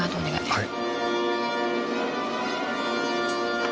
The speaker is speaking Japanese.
はい。